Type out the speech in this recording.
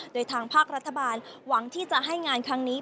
โดยทางภาครัฐบาลหวังที่จะให้งานครั้งนี้